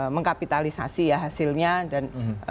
mengkapitalisasi ya hasilnya dan